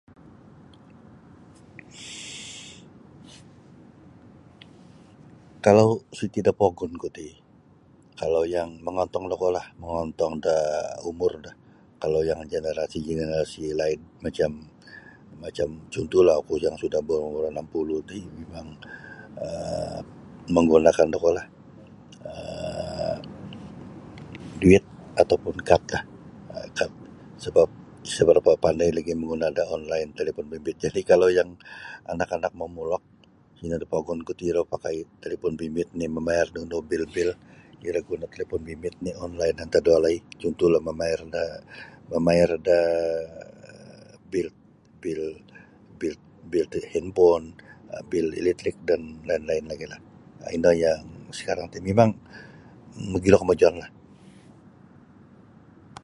Kalau siti da pogunku ti kalau yang mongontong da kuolah mongontong da umur do kalau yang jenerasi-jenerasi laid macam macam cuntuhlah oku yang sudah berumur anam puluh ti mimang um menggunakan da kuolah um duit atau pun kat kah sebap sa barapa mapandai lagi online menggunakan talipon bimbit um Jadi anak -anak momulok sino do pogunku ti iro guna talipon bimbit oni mamayar da bil-bil iro manggunakan talipon bimbit oni antad da walai mamayar online cuntuhlah mamayar da bil-bil hinfon bil-bil eletrik ino yang sekarang ti mimang mogilo kemajuanlah.